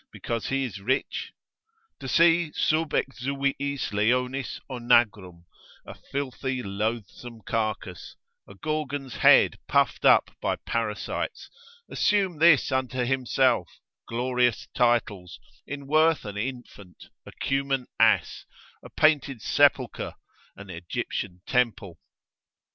because he is rich? To see sub exuviis leonis onagrum, a filthy loathsome carcass, a Gorgon's head puffed up by parasites, assume this unto himself, glorious titles, in worth an infant, a Cuman ass, a painted sepulchre, an Egyptian temple?